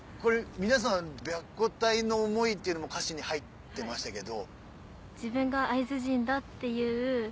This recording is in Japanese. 白虎隊の思いっていうのも歌詞に入ってましたけど。